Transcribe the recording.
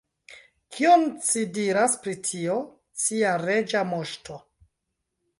Kion ci diras pri tio, cia Reĝa Moŝto?